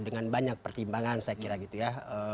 dengan banyak pertimbangan saya kira gitu ya